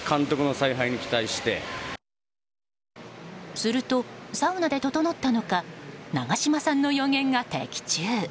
するとサウナでととのったのか長嶋さんの予言が的中。